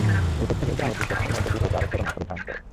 এরপর থেকে গ্রামের দুই পক্ষের মধ্যে বিরোধ আরও চরম আকার ধারণ করে।